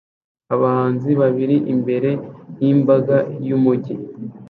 Abahanzi babiri imbere yimbaga yumujyi